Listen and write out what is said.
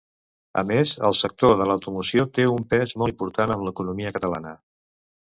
A més, el sector de l'automoció té un pes molt important en l'economia catalana.